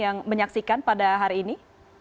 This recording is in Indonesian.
yang menyaksikan pada hari ini